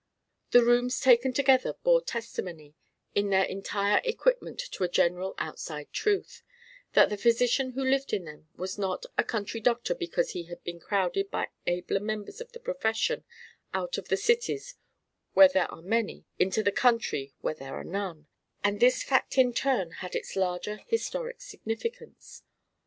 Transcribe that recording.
The rooms taken together bore testimony in their entire equipment to a general outside truth: that the physician who lived in them was not a country doctor because he had been crowded by abler members of the profession out of the cities where there are many into the country where there are none: and this fact in turn had its larger historic significance.